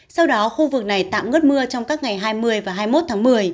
sau đó khu vực này tạm ngất mưa trong các ngày hai mươi và hai mươi một tháng một mươi